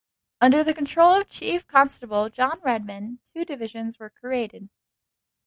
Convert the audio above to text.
Under the control of Chief Constable John Redman, two divisions were created.